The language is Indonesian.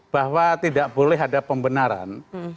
bahwa tidak boleh ada pembenaran